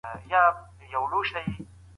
د ښځو ژوند دلته تر نورو ځایونو ښه دی.